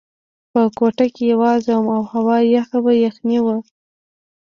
په کوټه کې یوازې وم او هوا یخه وه، یخنۍ وه.